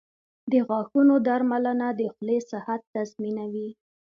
• د غاښونو درملنه د خولې صحت تضمینوي.